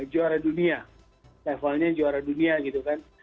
juara dunia levelnya juara dunia gitu kan